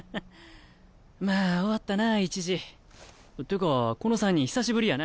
まあ終わったな１次。ってかこの三人久しぶりやな。